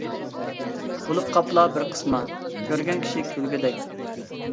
بولۇپ قاپلا بىر قىسما، كۆرگەن كىشى كۈلگۈدەك.